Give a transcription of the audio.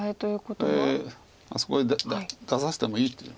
あそこへ出させてもいいっていう。